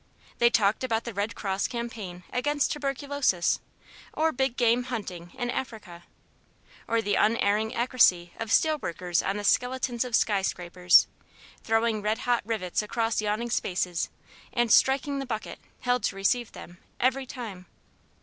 They talked about the Red Cross campaign against tuberculosis, or big game hunting in Africa, or the unerring accuracy of steel workers on the skeletons of skyscrapers, throwing red hot rivets across yawning spaces and striking the bucket, held to receive them, every time.